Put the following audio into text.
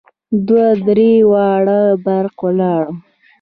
دوه درې واره برق ولاړ.